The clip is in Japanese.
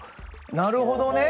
なるほどね。